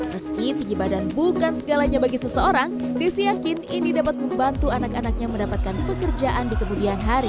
meski tinggi badan bukan segalanya bagi seseorang desi yakin ini dapat membantu anak anaknya mendapatkan pekerjaan di kemudian hari